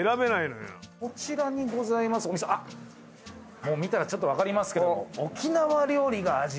もう見たらちょっと分かりますけども。